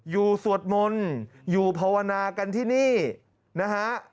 สวดมนต์อยู่ภาวนากันที่นี่นะฮะ